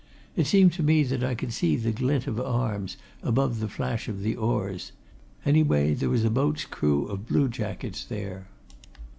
It seemed to me that I could see the glint of arms above the flash of the oars anyway there was a boat's crew of blue jackets there.